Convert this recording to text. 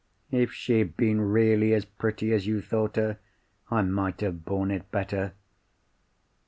"If she had been really as pretty as you thought her, I might have borne it better.